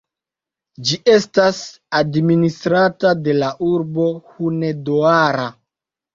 Ĝi estas administrata de la urbo Hunedoara.